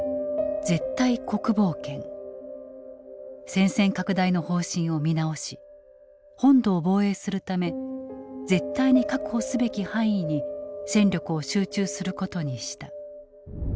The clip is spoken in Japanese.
戦線拡大の方針を見直し本土を防衛するため絶対に確保すべき範囲に戦力を集中することにした。